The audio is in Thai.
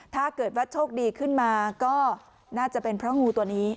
ถ้าเกิดว่าโชคดีขึ้นมาก็น่าจะเป็นเพราะงูตัวนี้